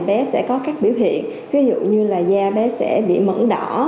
bé sẽ có các biểu hiện ví dụ như là da bé sẽ bị mẫn đỏ